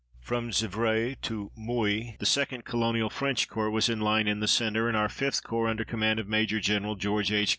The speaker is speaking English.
From Xivray to Mouilly the 2d Colonial French Corps was in line in the centre, and our 5th Corps, under command of Major Gen. George H.